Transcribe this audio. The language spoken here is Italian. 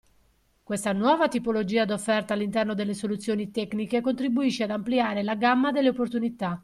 Questa nuova tipologia d'offerta all'interno delle soluzioni tecniche contribuisce ad ampliare la gamma delle opportunità.